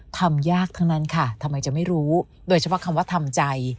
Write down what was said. ทำยากทั้งนั้นค่ะทำไมจะไม่รู้โดยเฉพาะคำว่าทำใจ